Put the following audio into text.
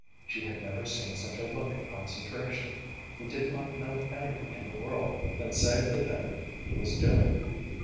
She had never seen such a look of concentration; he did not know anything in the world then save the thing he was doing.